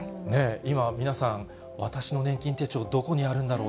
今、皆さん、私の年金手帳どこにあるんだろう？